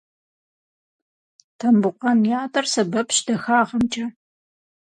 Тамбукъан ятӏэр сэбэпщ дахагъэмкӏэ.